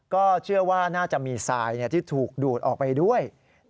ก็เชื่อว่าน่าจะมีทรายที่ถูกดูดออกไปด้วย